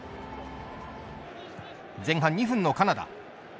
前半２分のカナダ。